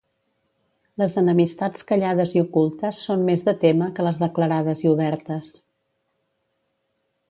Les enemistats callades i ocultes són més de témer que les declarades i obertes.